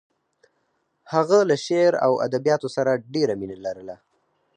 هغه له شعر او ادبیاتو سره ډېره مینه لرله